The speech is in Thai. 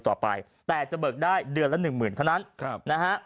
ต่อไปแต่จะเบิกได้เดือนละหนึ่งหมื่นเท่านั้นนะฮะ